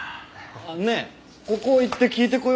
ねえここ行って聞いてこようか？